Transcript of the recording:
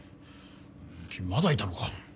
君まだいたのか。